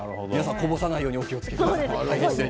こぼさないようにお気をつけください。